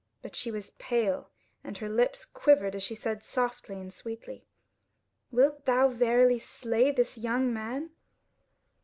But she was pale and her lips quivered as she said softly and sweetly: "Wilt thou verily slay this young man?"